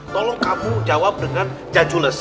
tolong kamu jawab dengan cadules